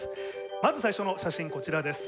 まず最初の写真こちらです。